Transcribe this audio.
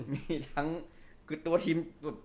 มีทั้งคือตัวทีมสุด